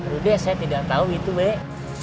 berudia saya tidak tau itu weh